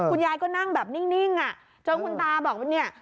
คุณยายก็นั่งแบบนิ่งอ่ะจนคุณตาบอกว่าเนี่ย